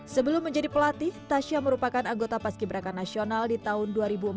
sebelum menjadi pelatih tasya merupakan anggota paski beraka nasional di tahun dua ribu empat belas